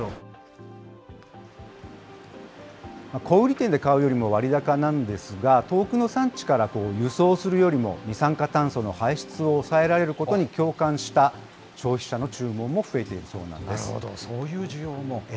小売り店で買うよりも割高なんですが、遠くの産地から輸送するよりも、二酸化炭素の排出を抑えられることに共感した消費者の注文も増えなるほど、そういう需要も。